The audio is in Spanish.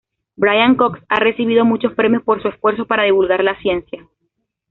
Brian Cox ha recibido muchos premios por su esfuerzo para divulgar la ciencia.